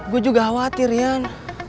gue juga khawatir rian